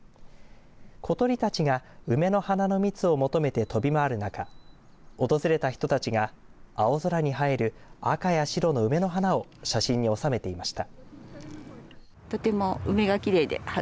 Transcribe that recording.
小鳥たちが梅の花の蜜を求めて飛び回る中訪れた人たちが青空に映える赤や白の梅の花を写真に収めていました。